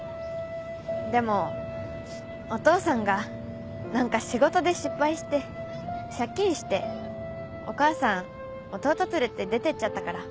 でもお父さんがなんか仕事で失敗して借金してお母さん弟連れて出てっちゃったから。